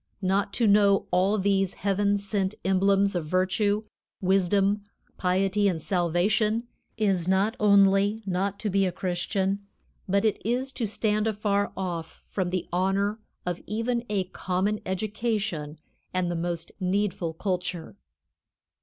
Not to know all these Heaven sent emblems of virtue, wisdom, piety and salvation is not only not to be a Christian, but it is to stand afar off from the honor of even a common education and the most needful culture.